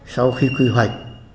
sau khi quy hoạch